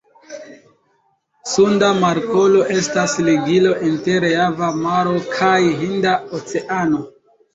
Sunda Markolo estas ligilo inter Java Maro kaj Hinda Oceano.